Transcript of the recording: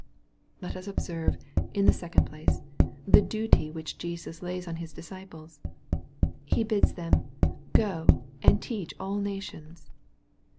Let us observe, in the second place, ike duty which Jesus lays on His disciples. .He bids them " go and teach all nations.''